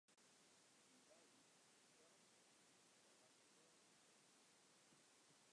Se wie by ús om te fertellen wat it Frysk foar har persoanlik betsjut.